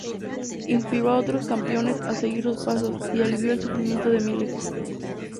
Inspiró a otros campeones a seguir sus pasos, y alivió el sufrimiento de miles.